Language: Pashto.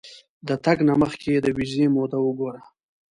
د تګ نه مخکې د ویزې موده وګوره.